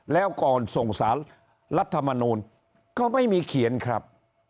แล้วก่อนส่งสารรัฐมนูลก็ไม่มีเขียนครับ